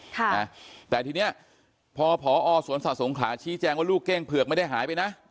ค่ะนะแต่ทีเนี้ยพอผอสวนสัตว์สงขลาชี้แจงว่าลูกเก้งเผือกไม่ได้หายไปนะ